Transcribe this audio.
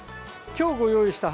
今日ご用意した